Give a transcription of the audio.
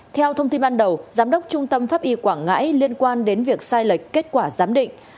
theo thông tin ban đầu giám đốc trung tâm pháp y quảng ngãi liên quan đến việc sai lệch kết quả giám định